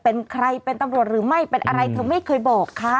เป็นใครเป็นตำรวจหรือไม่เป็นอะไรเธอไม่เคยบอกค่ะ